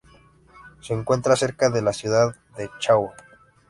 Se encuentra cerca de la ciudad de Chauen.